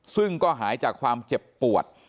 ซึ่งก็หายจากความเจ็บปวด